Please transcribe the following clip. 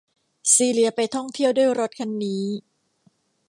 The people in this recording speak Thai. ซีเลียไปท่องเที่ยวด้วยรถคันนี้